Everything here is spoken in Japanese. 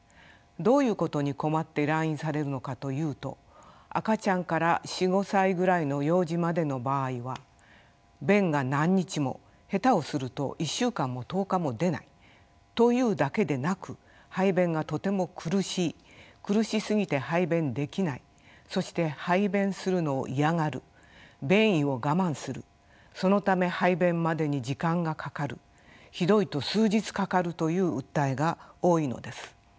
どういうことに困って来院されるのかというと赤ちゃんから４５歳ぐらいの幼児までの場合は便が何日も下手をすると１週間も１０日も出ないというだけでなく排便がとても苦しい苦しすぎて排便できないそして排便するのを嫌がる便意を我慢するそのため排便までに時間がかかるひどいと数日かかるという訴えが多いのです。